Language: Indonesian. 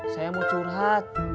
saya mau curhat